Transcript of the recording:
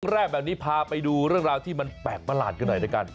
แรกแบบนี้พาไปดูเรื่องราวที่มันแปลกประหลาดกันหน่อยด้วยกัน